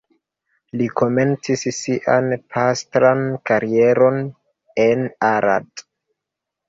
Li komencis sian pastran karieron en Arad.